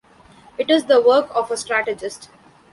It is the work of a strategist.